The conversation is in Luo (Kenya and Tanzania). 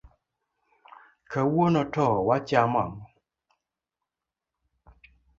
Kawuono to wachamo ng'o.